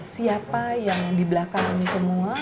siapa yang di belakang ini semua